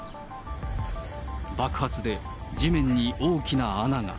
爆発で地面に大きな穴が。